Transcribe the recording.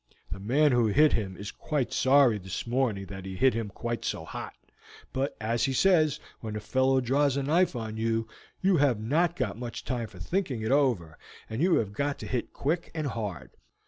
The man who hit him is quite sorry this morning that he hit him quite so hot, but, as he says, when a fellow draws a knife on you, you have not got much time for thinking it over, and you have got to hit quick and hard.